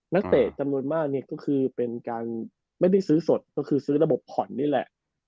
เตะจำนวนมากเนี่ยก็คือเป็นการไม่ได้ซื้อสดก็คือซื้อระบบผ่อนนี่แหละ